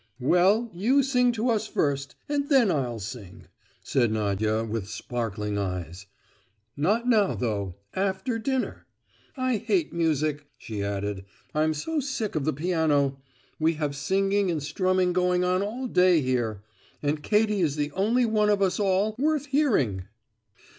"Well, you sing to us first, and then I'll sing," said Nadia, with sparkling eyes; "not now though—after dinner. I hate music," she added, "I'm so sick of the piano. We have singing and strumming going on all day here;—and Katie is the only one of us all worth hearing!"